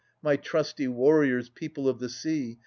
My trusty warriors, people of the sea.